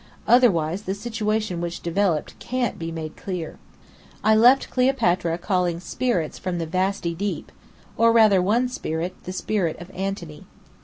Otherwise the situation which developed can't be made clear. I left Cleopatra calling spirits from the vasty deep, or rather one spirit; the spirit of Antony.